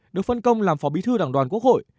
được phân công làm phó bí thư đảng đoàn quốc hội